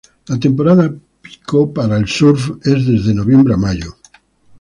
La temporada pico para el surf es desde noviembre a mayo.